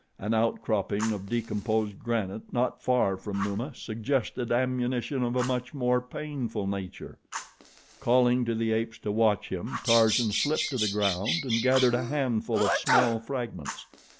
An out cropping of decomposed granite not far from Numa suggested ammunition of a much more painful nature. Calling to the apes to watch him, Tarzan slipped to the ground and gathered a handful of small fragments.